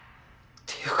っていうか